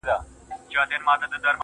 خود به يې اغزی پرهر، پرهر جوړ کړي.